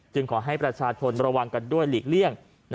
ขอให้ประชาชนระวังกันด้วยหลีกเลี่ยง